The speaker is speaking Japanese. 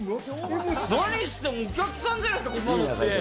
何してるの、お客さんじゃないですか、馬乗って。